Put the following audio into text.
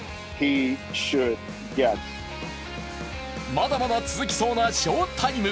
まだまだ続きそうな賞タイム。